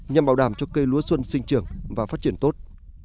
nhằm bảo đảm cho cây lúa xuân sinh trưởng và phát triển tốt